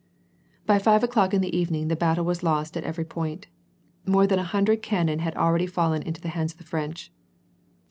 By five o'clock in the evening, the battle was lost at every point. More than a hundred cannon had already fallen into the hands of the French.